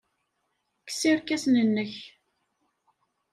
Kkes irkasen-nnek.